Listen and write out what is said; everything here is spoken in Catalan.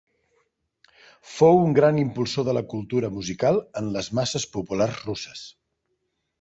Fou un gran impulsor de la cultura musical en les masses populars russes.